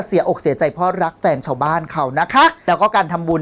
อกเสียใจเพราะรักแฟนชาวบ้านเขานะคะแล้วก็การทำบุญ